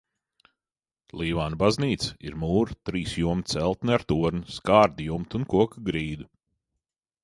Līvānu baznīca ir mūra trīs jomu celtne ar torni, skārda jumtu un koka grīdu.